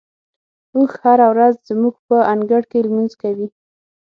اوښ هره ورځ زموږ په انګړ کې لمونځ کوي.